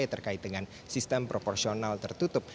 terkait dengan sistem proporsional tertutup